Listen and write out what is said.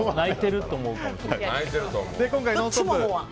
今回「ノンストップ！」